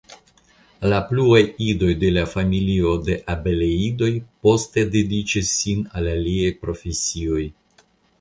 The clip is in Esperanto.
La pluaj idoj de la familio de Abeleidoj poste dediĉis sin al aliaj profesioj.